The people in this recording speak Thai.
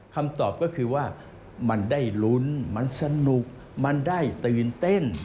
คำตอบก็คือว่ามันได้ลุ้นมันสนุกมันได้ตื่นเต้น